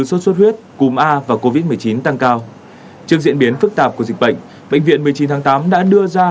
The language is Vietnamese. sốt xuất huyết cúm a và covid một mươi chín tăng cao trước diễn biến phức tạp của dịch bệnh bệnh viện một mươi chín tháng tám đã đưa ra